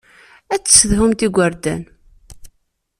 Ad tessedhumt igerdan.